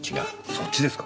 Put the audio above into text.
そっちですか？